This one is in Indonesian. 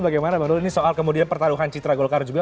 bagaimana bang doli ini soal kemudian pertaruhan citra golkar juga